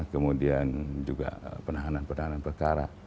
ya kemudian juga penanganan penanganan perkara